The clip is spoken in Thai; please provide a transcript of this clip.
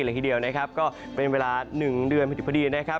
เลยทีเดียวนะครับก็เป็นเวลา๑เดือนพอดีนะครับ